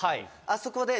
あそこで。